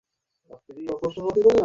হালকা বাদামী রঙের গাড়ি।